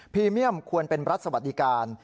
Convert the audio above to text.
เมียมควรเป็นรัฐสวัสดิการ